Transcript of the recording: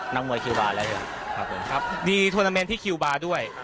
นักมวยคิวบาร์แล้วยังครับผมครับมีทวนาเมนต์ที่คิวบาร์ด้วย